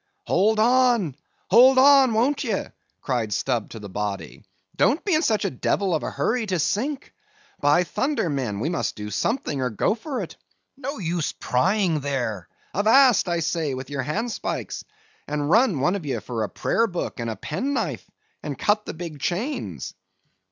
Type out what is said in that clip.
"Hold on, hold on, won't ye?" cried Stubb to the body, "don't be in such a devil of a hurry to sink! By thunder, men, we must do something or go for it. No use prying there; avast, I say with your handspikes, and run one of ye for a prayer book and a pen knife, and cut the big chains."